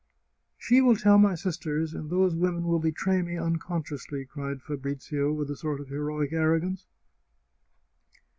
" She will tell my sisters, and those women will betray me unconsciously !" cried Fabrizio, with a sort of heroic arrogance.